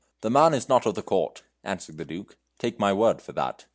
"The man is not of the court," answered the Duke; "take my word for that.